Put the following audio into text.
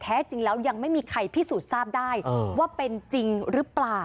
แท้จริงแล้วยังไม่มีใครพิสูจน์ทราบได้ว่าเป็นจริงหรือเปล่า